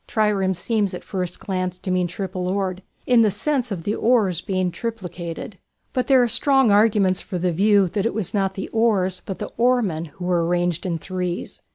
Triêres and trireme seems at first glance to mean triple oared, in the sense of the oars being triplicated; but there are strong arguments for the view that it was not the oars but the oarsmen, who were arranged in "threes."